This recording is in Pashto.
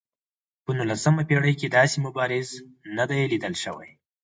په نولسمه پېړۍ کې داسې مبارز نه دی لیدل شوی.